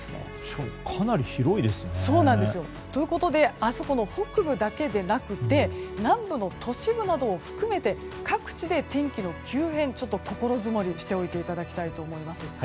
しかもかなり広いですね。ということで明日北部だけでなくて南部の都市部などを含めて各地で天気の急変ちょっと心づもりしておいていただきたいと思います。